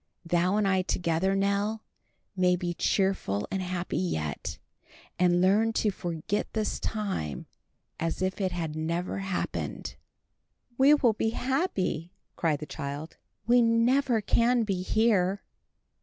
Thou and I together, Nell, may be cheerful and happy yet, and learn to forget this time as if it had never been." "We will be happy!" cried the child, "We never can be here."